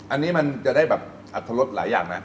อันนี้มันจะได้แบบอัตรรสหลายอย่างนะ